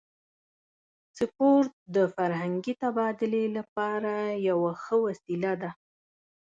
سپورت د فرهنګي تبادلې لپاره یوه ښه وسیله ده.